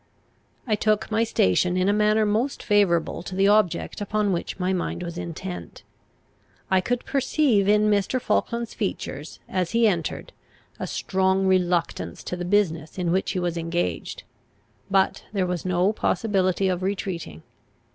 I took my station in a manner most favourable to the object upon which my mind was intent. I could perceive in Mr. Falkland's features, as he entered, a strong reluctance to the business in which he was engaged; but there was no possibility of retreating.